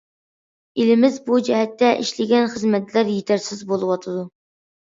ئېلىمىز بۇ جەھەتتە ئىشلىگەن خىزمەتلەر يېتەرسىز بولۇۋاتىدۇ.